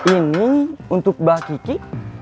ini untuk mbak kiki